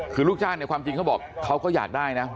คือลูกจ้างเนี่ยความจริงเขาบอกเขาก็อยากได้นะ